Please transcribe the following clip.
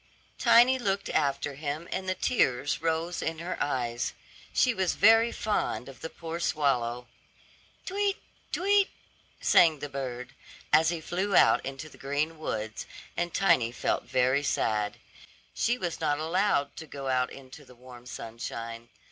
Tiny looked after him, and the tears rose in her eyes. She was very fond of the poor swallow. "Tweet, tweet," sang the bird, as he flew out into the green woods, and Tiny felt very sad. She was not allowed to go out into the warm sunshine.